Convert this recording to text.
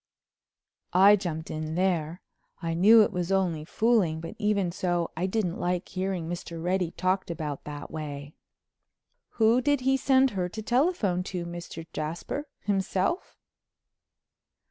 I jumped in there. I knew it was only fooling, but even so I didn't like hearing Mr. Reddy talked about that way. "Who did he send her to telephone to, Mr. Jasper—himself?"